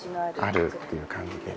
あるっていう感じで。